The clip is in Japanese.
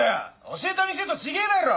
教えた店と違えだろ！